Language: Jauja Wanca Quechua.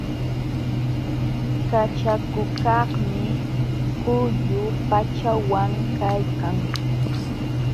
Kachakukaqmi quyu pachawan kaykan.